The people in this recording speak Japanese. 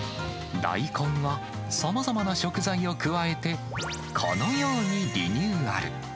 大根はさまざまな食材を加えて、このようにリニューアル。